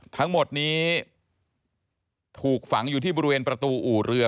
ทั้งหมดนี้ถูกฝังอยู่ที่บริเวณประตูอู่เรือ